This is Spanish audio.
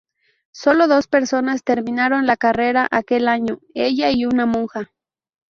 Solo dos personas terminaron la carrera aquel año: ella y una monja.